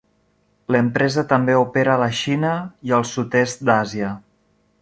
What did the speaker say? L'empresa també opera a la Xina i al Sud-est d'Àsia.